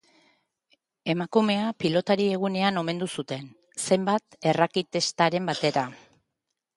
Emakumea Pilotari Egunean omendu zuten, zenbait erraketistarekin batera.